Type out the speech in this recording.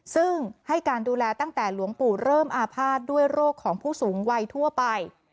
ซึ่งให้การดูแลตั้งแต่หลวงปู่เริ่มอาภาษณ์ด้วยโรคของผู้สูงวัยทั่วไป